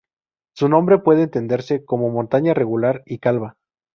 Su nombre puede entenderse como "montaña regular y calva".